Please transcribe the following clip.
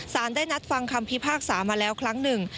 ได้นัดฟังคำพิพากษามาแล้วครั้งหนึ่ง